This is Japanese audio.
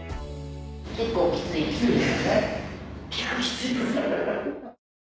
結構きついです。